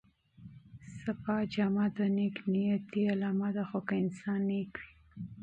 پاکه جامه د نېک نیت نښه ده خو که انسان نېک وي.